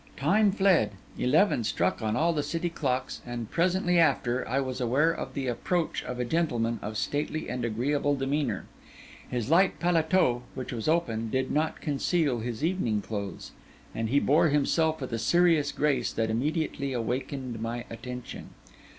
Time fled; eleven struck on all the city clocks; and presently after I was aware of the approach of a gentleman of stately and agreeable demeanour. He was smoking as he walked; his light paletôt, which was open, did not conceal his evening clothes; and he bore himself with a serious grace that immediately awakened my attention.